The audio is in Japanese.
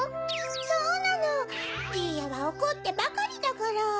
そうなのじいやはおこってばかりだから。